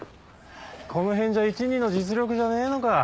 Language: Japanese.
この辺じゃ１・２の実力じゃねえのか。